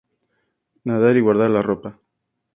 Nadar y guardar la ropa